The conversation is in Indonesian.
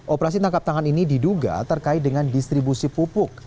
operasi tangkap tangan ini diduga terkait dengan distribusi pupuk